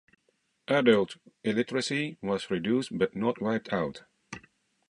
Adult illiteracy was reduced but not wiped out.